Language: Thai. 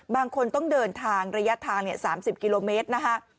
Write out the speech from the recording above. บางคนต้องเดินทางระยะทาง๓๐กิโลเมตรนะฮะ